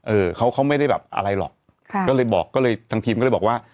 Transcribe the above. เออเขาเขาไม่ได้แบบอะไรหรอกค่ะก็เลยบอกก็เลยทางทีมก็เลยบอกว่า